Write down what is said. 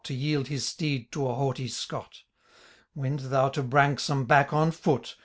To yield^his steed to a haughty Scott. Wend thou to Branksome back on foot.